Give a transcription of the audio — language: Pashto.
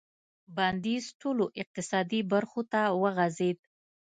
بندیز ټولو اقتصادي برخو ته وغځېد.